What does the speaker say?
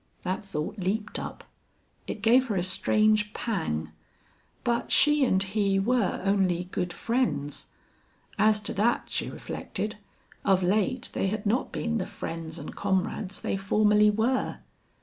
That thought leaped up. It gave her a strange pang. But she and he were only good friends. As to that, she reflected, of late they had not been the friends and comrades they formerly were.